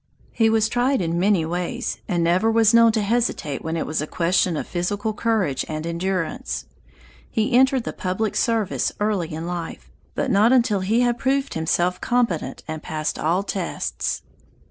He was tried in many ways, and never was known to hesitate when it was a question of physical courage and endurance. He entered the public service early in life, but not until he had proved himself competent and passed all tests.